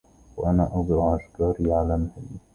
وأنا أزرع أشجاري, على مهلي